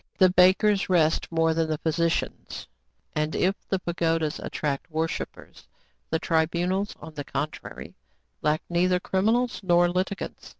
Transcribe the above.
The bakers rest more than the physicians ; and, if the pagodas attract worshippers, the tribunals, on the contrary, lack neither criminals nor litigants.